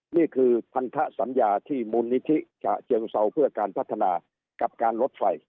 นี่คือพันธสัญญาที่มูลนิธิฉะเชิงเซาเพื่อการพัฒนากับการลดไฟ